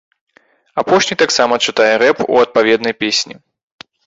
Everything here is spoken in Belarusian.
Апошні таксама чытае рэп у адпаведнай песні.